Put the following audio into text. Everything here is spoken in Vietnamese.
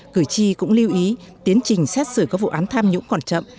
cử tri cũng lưu ý tiến trình xét xử các vụ án tham nhũng còn chậm